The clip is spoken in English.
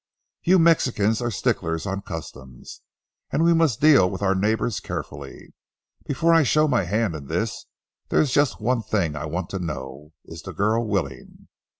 You Mexicans are sticklers on customs, and we must deal with our neighbors carefully. Before I show my hand in this, there's just one thing I want to know—is the girl willing?